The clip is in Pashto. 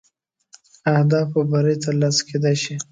اهدافو بری تر لاسه کېدلای شي.